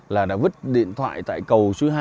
là đã vứt điện thoại tại cầu số hai